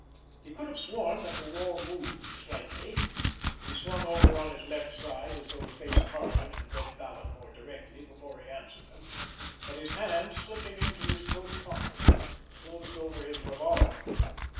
He could have sworn that the wall moved slightly. He swung over on his left side, as though to face Karlin and Red Vallon more directly before he answered them—but his hand, slipping into his coat pocket, closed over his revolver.